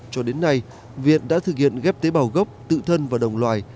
cho đến nay viện đã thực hiện ghép tế bào gốc tự thân và đồng loài